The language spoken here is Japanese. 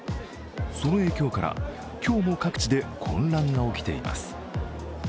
その影響から今日も各地で混乱が起きています